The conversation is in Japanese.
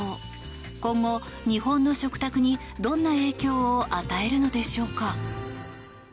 今後、日本の食卓にどんな影響を与えるのでしょうか。